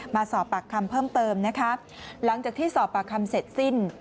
มาสอบปากคำเพิ่มเติมนะคะหลังจากที่สอบปากคำเสร็จสิ้น